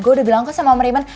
gue udah bilang ke sama om raymond